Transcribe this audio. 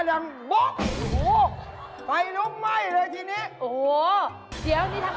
โรแมนติกอ่ะโรแมนติก